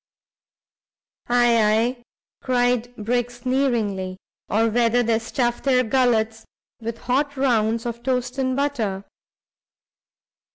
"Ay, ay," cried Briggs, sneeringly, "or whether they stuff their gullets with hot rounds of toast and butter."